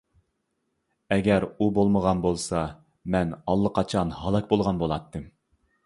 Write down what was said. ئەگەر ئۇ بولمىغان بولسا، مەن ئاللىقاچان ھالاك بولغان بولاتتىم.